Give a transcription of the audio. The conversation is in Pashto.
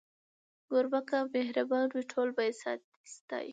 کوربه که مهربانه وي، ټول به يې ستایي.